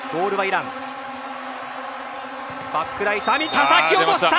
たたき落とした。